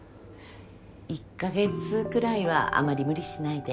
１カ月くらいはあまり無理しないで。